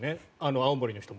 青森の人も。